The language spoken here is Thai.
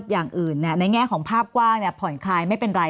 อย่างอื่นในแง่ของภาพกว้างผ่อนคลายไม่เป็นไร